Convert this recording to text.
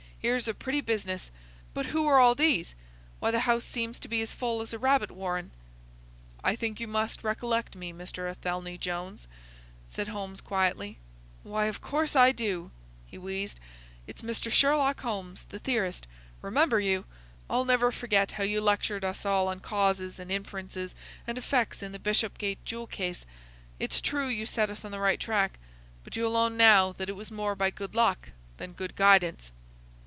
"Here's a pretty business! But who are all these? Why, the house seems to be as full as a rabbit warren!" "I think you must recollect me, Mr. Athelney Jones," said Holmes, quietly. "Why, of course I do!" he wheezed. "It's Mr. Sherlock Holmes, the theorist. Remember you! I'll never forget how you lectured us all on causes and inferences and effects in the Bishopgate jewel case. It's true you set us on the right track; but you'll own now that it was more by good luck than good guidance."